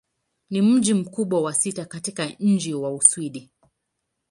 Ni mji mkubwa wa sita katika nchi wa Uswidi.